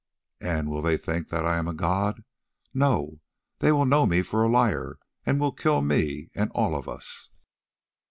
And will they think then that I am a god? No, they will know me for a liar, and will kill me and all of us."